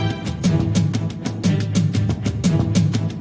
แล้วก็เห็นสายตามุ่งมั่นของคนที่เป็นลูกที่แม่นั่งอยู่ตรงนี้ด้วย